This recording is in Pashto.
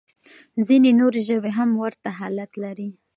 ځينې نورې ژبې هم ورته حالت لري.